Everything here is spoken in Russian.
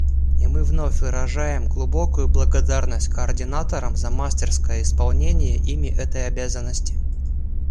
И мы вновь выражаем глубокую благодарность координаторам за мастерское исполнение ими этой обязанности.